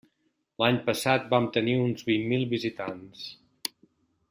L'any passat vam tenir uns vint mil visitants.